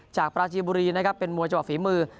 จากปราชิบุรีนะครับเป็นมวยจบอกฝีมือ